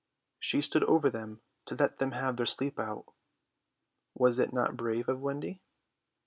She stood over them to let them have their sleep out. Was it not brave of Wendy?